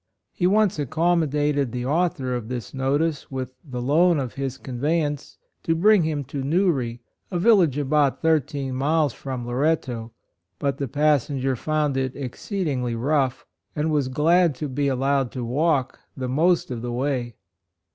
He once accommodated the author of this notice with the loan of his conveyance to bring him to JNTewry, a village about thirteen miles from Loretto ; but the passenger found it exceedingly rough, and was glad to be allowed to walk the most of the way.